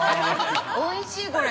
◆おいしい、これ。